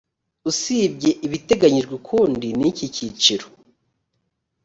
usibye ibiteganyijwe ukundi n iki cyiciro